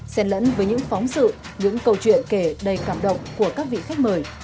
xen lẫn với những phóng sự những câu chuyện kể đầy cảm động của các vị khách mời